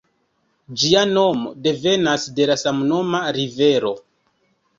Ĝia nomo devenas de la samnoma rivero.